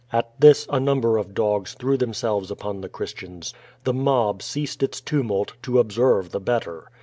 At this a number of dogs threw themselves upon the Christians. The mob ceased its tumult, to observe the blot ter.